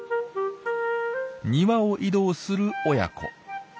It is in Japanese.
庭を移動する親子。